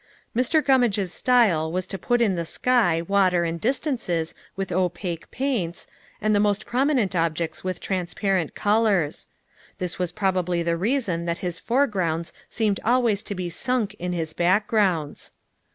Mr. Gummage's style was to put in the sky, water and distances with opaque paints, and the most prominent objects with transparent colors. This was probably the reason that his foregrounds seemed always to be sunk in his backgrounds.